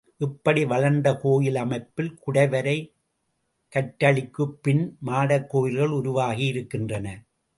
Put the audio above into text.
இப்படி வளர்ந்த கோயில் அமைப்பில், குடைவரை கற்றளிகளுக்குப் பின் மாடக் கோயில்கள் உருவாகி இருக்கின்றன.